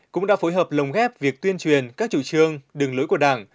cũng đã phối hợp lồng ghép việc tuyên truyền các chủ trương đường lối của đảng